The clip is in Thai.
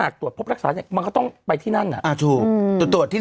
ก็ชอบว่าว่ากฎเกณฑ์ถ้าหากตรวจ